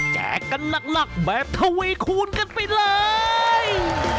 แจกกันหลักแบบทวีคูณกันไปเลย